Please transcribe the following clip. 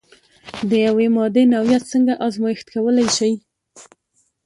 د یوې مادې نوعیت څنګه ازميښت کولی شئ؟